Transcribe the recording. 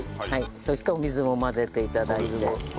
そしてお水も混ぜて頂いて。